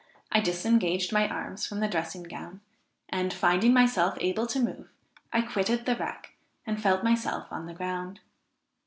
I disengaged my arms from the dressing gown, and, finding myself able to move, I quitted the wreck, and felt myself on the ground.